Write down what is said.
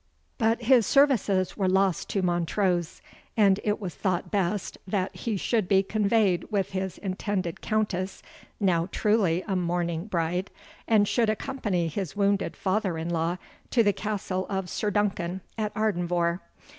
But his services were lost to Montrose; and it was thought best, that he should be conveyed with his intended countess, now truly a mourning bride, and should accompany his wounded father in law to the castle of Sir Duncan at Ardenvohr.